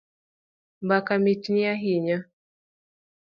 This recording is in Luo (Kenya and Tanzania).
Mbaka mitni ahinya